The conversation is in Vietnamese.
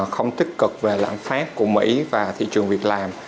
không tích cực về lãng phát của mỹ và thị trường việt nam